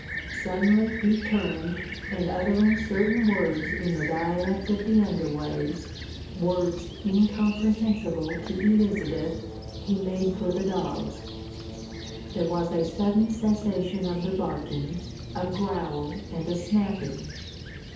Suddenly he turned, and uttering certain words in the dialect of the underways, words incomprehensible to Elizabeth, he made for the dogs. There was a sudden cessation of the barking, a growl and a snapping.